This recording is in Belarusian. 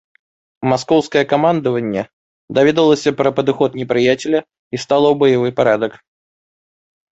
Маскоўскае камандаванне даведалася пра падыход непрыяцеля і стала ў баявы парадак.